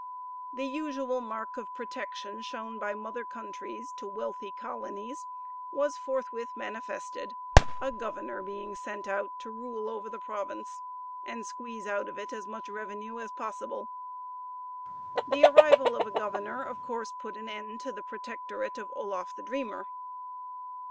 The usual mark of protection shown by mother countries to wealthy colonies was forthwith manifested; a governor being sent out to rule over the province, and squeeze out of it as much revenue as possible. The arrival of a governor of course put an end to the protectorate of Oloffe the Dreamer.